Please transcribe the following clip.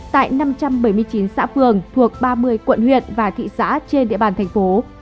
tại năm trăm bảy mươi chín xã phường thuộc ba mươi quận huyện và thị xã trên địa bàn thành phố